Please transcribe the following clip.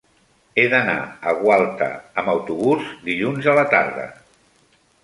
He d'anar a Gualta amb autobús dilluns a la tarda.